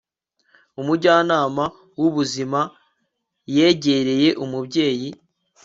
umujyanama w'ubuzima yegereye umubyeyi